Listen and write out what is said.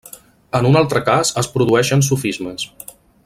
En un altre cas es produeixen sofismes.